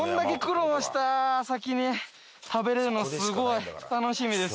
食べられるのすごい楽しみですね。